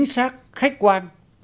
xác khách quan